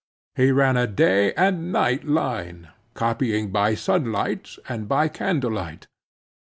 He ran a day and night line, copying by sun light and by candle light.